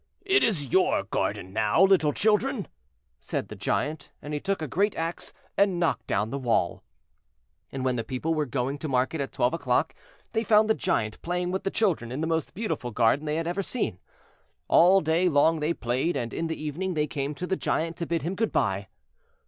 "It is your garden now, little children," said the Giant, and he took a great axe and knocked down the wall. And when the people were going to market at twelve o'clock they found the Giant playing with the children in the most beautiful garden they had ever seen. All day long they played, and in the evening they came to the Giant to bid him good bye.